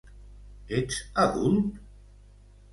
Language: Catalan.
Ets adult?